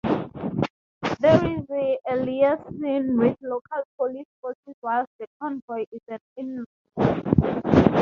There is liaison with local police forces whilst the convoy is en route.